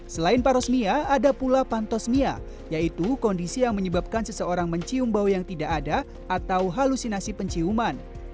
selain parosmia ada pula pantosmia yaitu kondisi yang menyebabkan seseorang mencium bau yang tidak ada atau halusinasi penciuman